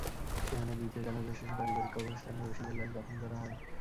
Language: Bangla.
সেখানে দ্বিতীয় জানাজা শেষে পারিবারিক কবরস্থানে রশিদের লাশ দাফন করা হয়।